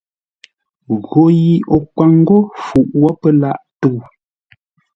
Gho yi o kwâŋ ńgó fuʼ wə́ pə́ lâʼ tə̂u.